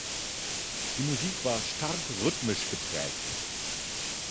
Die Musik war stark rhythmisch geprägt.